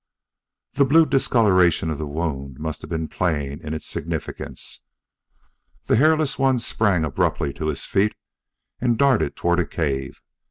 The blue discoloration of the wound must have been plain in its significance. The hairless one sprang abruptly to his feet and darted toward a cave.